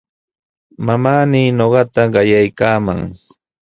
Mamaami ñuqata qayaykaaman.